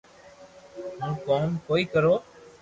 ھون ڪوم ڪوئي ڪرو